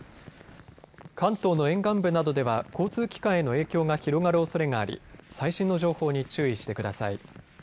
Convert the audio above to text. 関東の沿岸部などでは交通機関への影響が広がるおそれがあり最新の情報に注意してください。